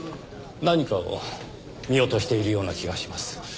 何かを見落としているような気がします。